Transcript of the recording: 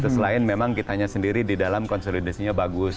selain memang kitanya sendiri di dalam konsolidasinya bagus